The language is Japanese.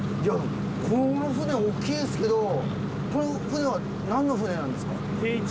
この船大きいですけどこの船は何の船なんですか？